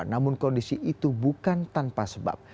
namun kondisi itu bukan tanpa sebab